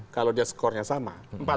kalau dia skornya sama